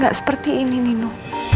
gak seperti ini nino